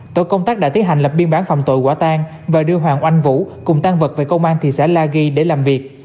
tổ công tác đã tiến hành lập biên bản phòng tội quả tan và đưa hoàng oanh vũ cùng tan vật về công an thị xã la ghi để làm việc